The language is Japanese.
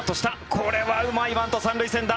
これはうまいバント、３塁線だ。